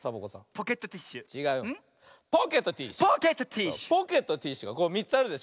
ポケットティッシュが３つあるでしょ。